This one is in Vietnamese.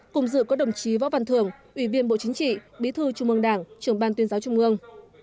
cùng dự có đồng chí võ văn thường ủy viên bộ chính trị bí thư trung mương đảng trưởng ban tuyên giáo trung ương